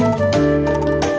terus setor ke saya